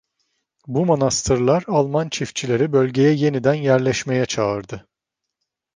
Bu manastırlar Alman çiftçileri bölgeye yeniden yerleşmeye çağırdı.